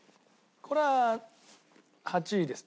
これは８位です。